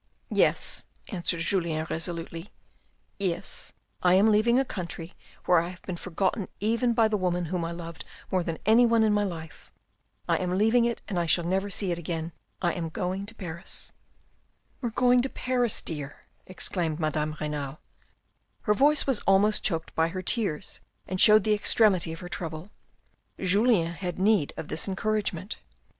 " Yes," answered Julien resolutely, " yes, I am leaving a country where I have been forgotten even by the woman whom I loved more than anyone in my life; I am leaving it and I shall never see it again. I am going to Paris." u You are going to Paris, dear," exclaimed Madame Renal. Her voice was almost choked by her tears and showed the extremity of her trouble. Julien had need of this encourage ment.